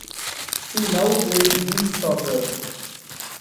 He now plays beach soccer.